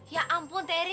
ya ampun terry